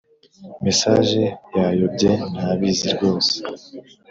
mesaje yayobye ntabizi rwose